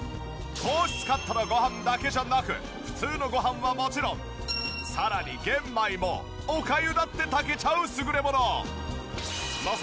糖質カットのごはんだけじゃなく普通のごはんはもちろんさらに玄米もおかゆだって炊けちゃう優れもの。